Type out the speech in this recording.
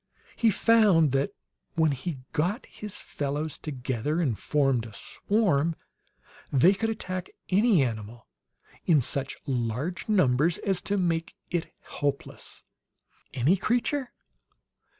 He found that, when he got his fellows together and formed a swarm, they could attack any animal in such large numbers as to make it helpless." "Any creature?"